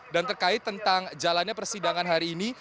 dan terkait tentang jalannya persidangan hari ini